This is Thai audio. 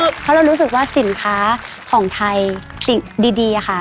เพราะเรารู้สึกว่าสินค้าของไทยสิ่งดีค่ะ